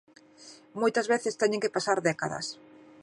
Moitas veces teñen que pasar décadas.